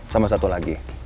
sama satu lagi